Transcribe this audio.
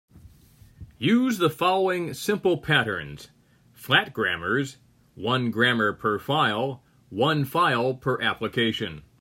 Use the following simple patterns: flat grammars, one grammar per file, one file per application.